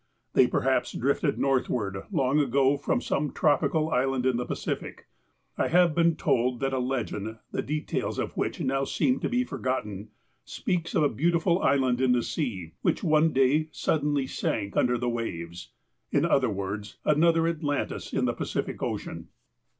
They perhaps di'ifted northward long ago from some tropical island in the Pacific. I have been told that a legend, the details of which now seem to be forgotten, speaks of a beautiful island in the sea. which one day suddenly sank under the waves — in other words, another Atlantis in the Pacific Ocean.